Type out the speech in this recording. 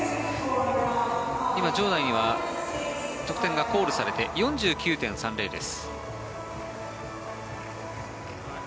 今、場内には得点がコールされて４９．３０です。